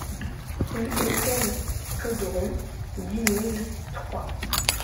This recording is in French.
Rue Étienne Pedron, dix mille Troyes